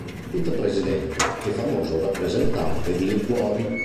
Quinto presidente e famoso rappresentante di liquori.